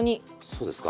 そうですか。